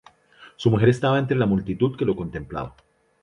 Su mujer estaba entre la multitud que lo contemplaba.